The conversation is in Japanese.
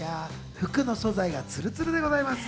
服の素材がツルツルでございます。